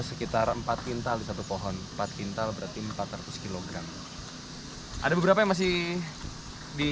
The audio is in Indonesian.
sekitar empat kintal di satu pohon empat kintal berarti empat ratus kg ada beberapa yang masih di